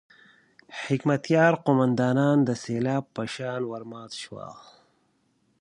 حکمتیار قوماندانان د سېلاب په شان ورمات شول.